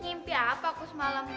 nyimpi apa aku semalam